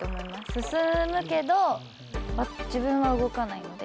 進むけど自分は動かないので。